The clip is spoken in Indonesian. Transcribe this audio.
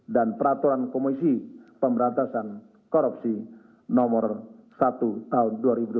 dan peraturan komisi pemberantasan korupsi no satu tahun dua ribu dua puluh satu